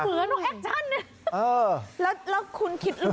เหมือนว่าแอคชั่น